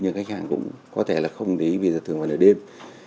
nhưng khách hàng cũng có thể là không lấy vì thường vào nửa đêm